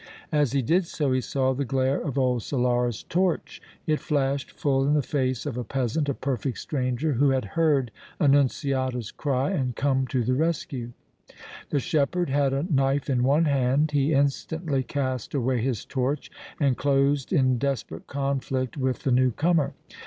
As he did so he saw the glare of old Solara's torch. It flashed full in the face of a peasant, a perfect stranger, who had heard Annunziata's cry and come to the rescue. The shepherd had a knife in one hand; he instantly cast away his torch and closed in desperate conflict with the new comer.